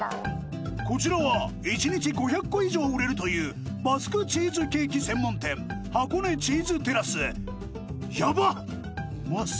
こちらは一日５００個以上売れるというバスクチーズケーキ専門店ヤバっ！